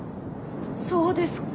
そうですか。